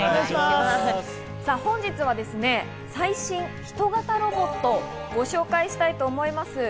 本日は最新人型ロボットをご紹介したいと思います。